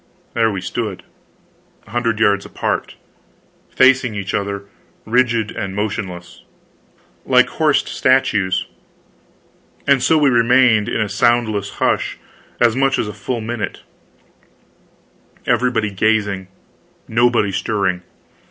There we stood, a hundred yards apart, facing each other, rigid and motionless, like horsed statues. And so we remained, in a soundless hush, as much as a full minute, everybody gazing, nobody stirring.